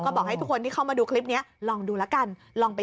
บอกให้ทุกคนที่เข้ามาดูคลิปนี้ลองดูแล้วกันลองไปดู